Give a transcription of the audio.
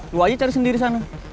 lu aja cari sendiri sana